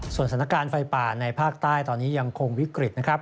สถานการณ์ไฟป่าในภาคใต้ตอนนี้ยังคงวิกฤตนะครับ